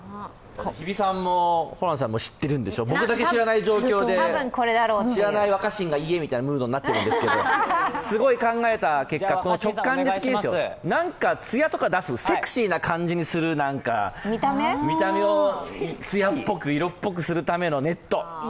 日比さんもホランさんも知ってるんでしょ、僕だけ知らない状況で知らない若新が言えみたいなムードになっているんですが、すごい考えた結果直感的にですよなんかつやとか出す、セクシーな感じにする、見た目を艶っぽくするためのネット。